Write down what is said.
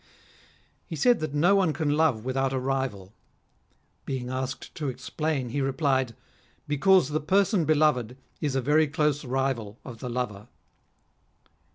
He said that no one can love without a rival. Being asked to explain, he replied :" Because the person beloved is a very close rival of the lover."